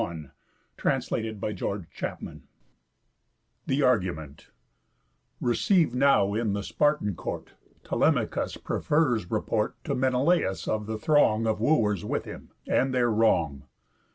_ THE FOURTH BOOK OF HOMER'S ODYSSEYS THE ARGUMENT Receiv'd now in the Spartan court, Telemachus prefers report To Menelaus of the throng Of Wooers with him, and their wrong.